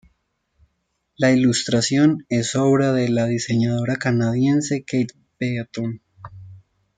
La ilustración es obra de la diseñadora canadiense Kate Beaton.